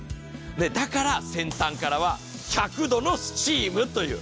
だから、先端からは１００度のスチームという。